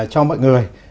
cho mọi người